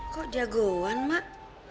kok jagoan mak